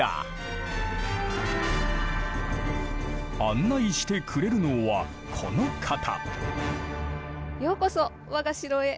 案内してくれるのはこの方。